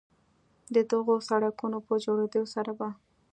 د دغو سړکونو په جوړېدو سره به